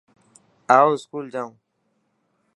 آو اسڪول جائون.